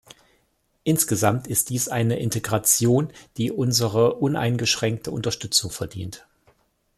Insgesamt ist dies eine Integration, die unsere uneingeschränkte Unterstützung verdient.